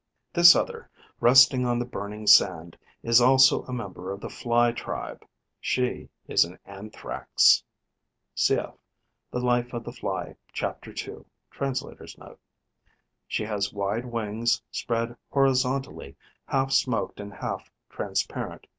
This other, resting on the burning sand, is also a member of the Fly tribe; she is an Anthrax. (Cf. "The Life of the Fly": chapter 2. Translator's Note.) She has wide wings, spread horizontally, half smoked and half transparent.